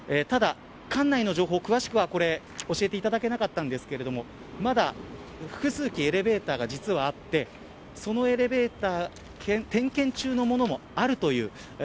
ただ館内の情報、詳しくは教えていただけなかったんですがまだ複数基エレベーターがありそのエレベーター点検中のものもあるという。